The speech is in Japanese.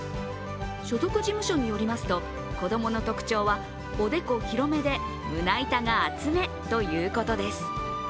所属事務所によりますと、子供の特徴はおでこ広めで、胸板が厚めということです。